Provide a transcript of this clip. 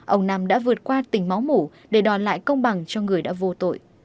ông năm đã vượt qua tình máu mủ để đòn lại công bằng cho người đã vô tội